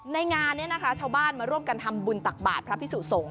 งานนี้นะคะชาวบ้านมาร่วมกันทำบุญตักบาทพระพิสุสงฆ